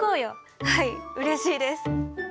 はいうれしいです。